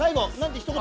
ひと言。